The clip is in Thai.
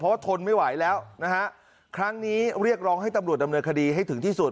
ว่าทนไม่ไหวแล้วนะฮะครั้งนี้เรียกร้องให้ตำรวจดำเนินคดีให้ถึงที่สุด